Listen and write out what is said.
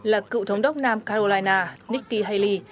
là cựu thống đốc nam carolina nikki haley